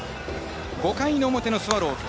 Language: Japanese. ５回の表のスワローズ。